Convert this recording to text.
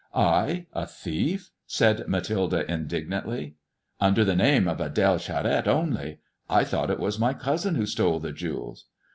" I, a thief ?" said Mathilde indignantly. " Under the name of Ad^le Charette only. I thought it was my cousin who stole the jewels."